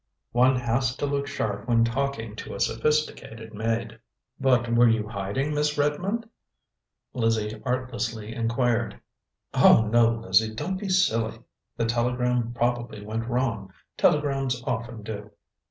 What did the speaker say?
One has to look sharp when talking to a sophisticated maid. "But were you hiding, Miss Redmond?" Lizzie artlessly inquired. "Oh, no, Lizzie; don't be silly. The telegram probably went wrong; telegrams often do."